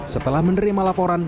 setelah menerima laporan